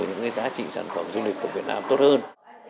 những cái giá trị sản phẩm du lịch của việt nam tốt hơn